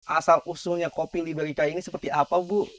asal usulnya kopi libeika ini seperti apa bu